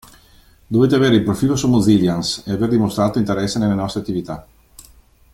Dovete avere il profilo su mozillians e aver dimostrato interesse nelle nostre attività.